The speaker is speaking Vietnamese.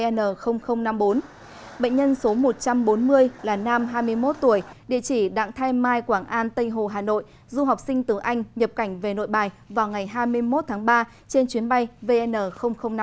bệnh nhân số một trăm bốn mươi là nam hai mươi một tuổi địa chỉ đạng thay mai quảng an tây hồ hà nội du học sinh từ anh nhập cảnh về nội bài vào ngày hai mươi một tháng ba trên chuyến bay vn năm mươi bốn